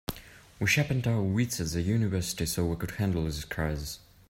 We sharpened our wits at university so we could handle this crisis.